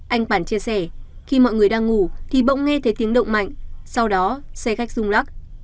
anh bản chia sẻ khi mọi người đang ngủ thì bỗng nghe thấy tiếng động mạnh sau đó xe khách rung lắc